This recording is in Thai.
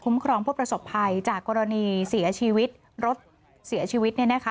คุ้มครองพวกประศพภัยจากกรณีเสียชีวิตรถเสียชีวิต